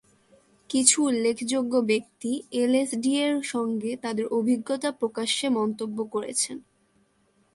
কিছু উল্লেখযোগ্য ব্যক্তি এলএসডি-এর সঙ্গে তাদের অভিজ্ঞতা প্রকাশ্যে মন্তব্য করেছেন।